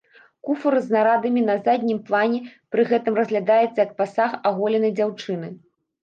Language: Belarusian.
Куфар з нарадамі на заднім плане пры гэтым разглядаецца як пасаг аголенай дзяўчыны.